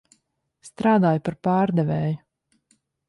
Strādāju par pārdevēju.